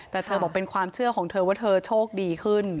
แต่เธอบอกเป็นความเชื่อของเธอว่าเธอโชคดีขึ้น